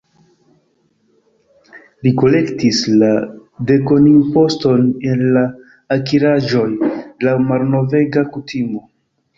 Li kolektis la dekonimposton el la akiraĵoj, laŭ malnovega kutimo.